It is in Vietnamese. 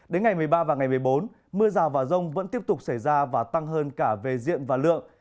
đến ngày một mươi ba và ngày một mươi bốn mưa rào và rông vẫn tiếp tục xảy ra và tăng hơn cả về diện và lượng